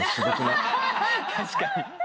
確かに。